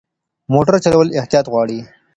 موټر چلول احتیاط غواړي.